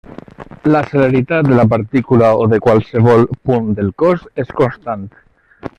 La celeritat de la partícula o de qualsevol punt del cos és constant.